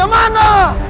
tapi mana buktinya